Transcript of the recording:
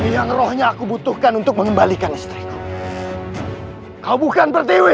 yang rohnya aku butuhkan untuk mengembalikan istriku kau bukan berdewa